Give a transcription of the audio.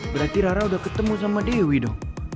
berarti rara udah ketemu sama dewi dong